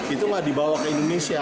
itu nggak dibawa ke indonesia